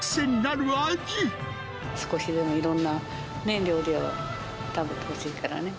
少しでもいろんな料理を食べてほしいからね。